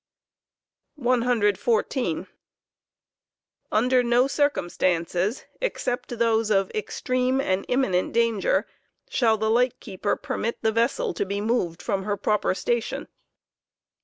Never to leave 114. Under no circumstances, except those of extreme and imminent danger, shall 6 011 ' the light keeper permit the vessel to be moved from her proper station.